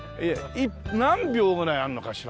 何俵ぐらいあるのかしらね？